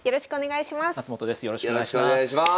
よろしくお願いします。